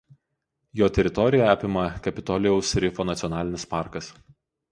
Jo teritoriją apima Kapitolijaus rifo nacionalinis parkas.